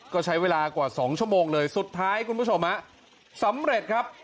ก็ใช้เวลากว่า๒ชั่วโมงเลยสุดท้ายคุณผู้ชมฮะสำเร็จครับ